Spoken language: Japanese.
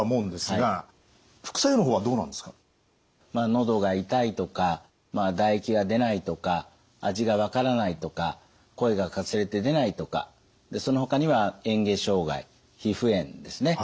喉が痛いとか唾液が出ないとか味が分からないとか声がかすれて出ないとかそのほかには嚥下障害皮膚炎ですね